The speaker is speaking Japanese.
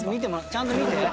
ちゃんと見て。